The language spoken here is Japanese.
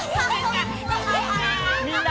みんな！